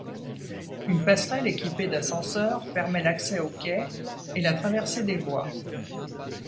Une passerelle équipée d'ascenseurs permet l'accès aux quais et la traversée des voies.